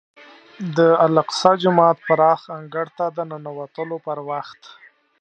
د الاقصی جومات پراخ انګړ ته د ننوتلو پر وخت.